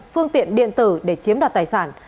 phương tiện điện tử để chiếm đoạt tài sản